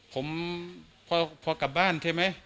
ผมพอกลับบ้านใช่ไหม